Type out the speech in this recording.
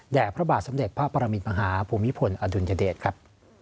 พระบาทสมเด็จพระปรมินมหาภูมิพลอดุลยเดชครับ